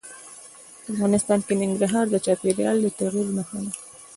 افغانستان کې ننګرهار د چاپېریال د تغیر نښه ده.